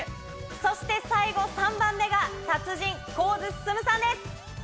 そして最後３番目が達人、神津進さんです。